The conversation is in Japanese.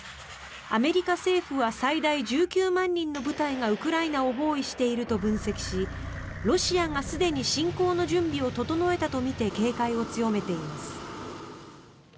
アメリカ政府は最大１９万人の部隊がウクライナを包囲していると分析しロシアがすでに侵攻の準備を整えたとみて警戒を強めています。